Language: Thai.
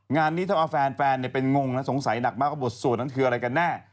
งานนี้ถ้าเอาแฟนเป็นงงนะสงสัยหนักมากว่าบทสวดนั้นคืออะไรกันแน่